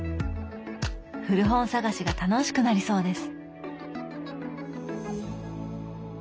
古本探しが楽しくなりそうです。